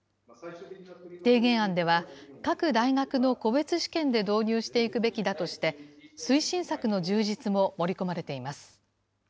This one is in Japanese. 提言案では、各大学の個別試験で導入していくべきだとして、推進策の充実も盛り込まれています。